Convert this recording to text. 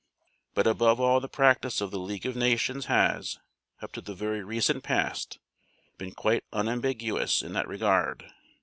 But above all the practice of the League of Nations has, up to the very recent past, been quite unambiguous in that regard.